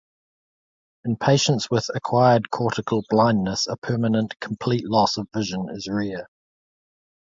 In patients with acquired cortical blindness, a permanent complete loss of vision is rare.